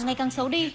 ngay càng xấu đi